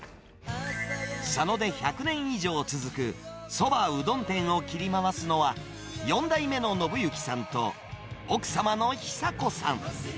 佐野で１００年以上続くそばうどん店を切り回すのは、４代目の信行さんと、奥様の寿子さん。